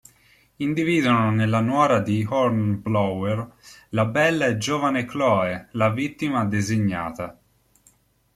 Individuano nella nuora di Hornblower, la bella e giovane Chloe, la vittima designata.